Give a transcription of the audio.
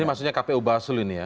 ini maksudnya kpu basu ini ya